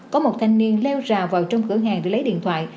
có một thanh niên leo rào vào trong cửa hàng để lấy điện thoại